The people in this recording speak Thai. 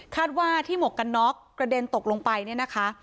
ว่าที่หมวกกันน็อกกระเด็นตกลงไปเนี่ยนะคะ